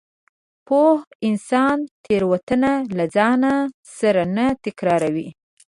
پوه انسان تېروتنه له ځان سره نه تکراروي.